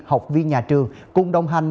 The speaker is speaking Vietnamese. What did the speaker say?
học viên nhà trường cùng đồng hành